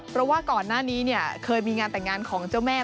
เพราะว่าก่อนหน้านี้เนี่ยเคยมีงานแต่งงานของเจ้าแม่